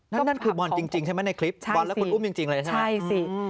นั่นคือบอลจริงใช่ไหมในคลิปบอลและคุณอุ้มจริงเลยใช่ไหมใช่สิ